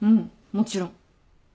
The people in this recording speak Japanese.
もちろん。